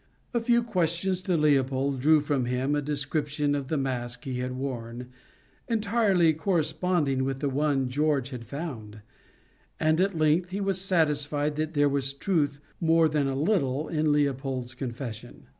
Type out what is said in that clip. A few questions to Leopold drew from him a description of the mask he had worn, entirely corresponding with the one George had found; and at length he was satisfied that there was truth more than a little in Leopold's confession.